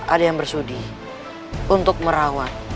ada yang bersudi untuk merawat